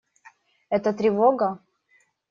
Это тревога?